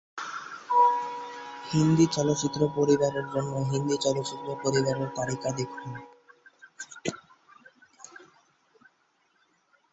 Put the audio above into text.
হিন্দি চলচ্চিত্র পরিবারের জন্য, "হিন্দি চলচ্চিত্র পরিবারের তালিকা" দেখুন।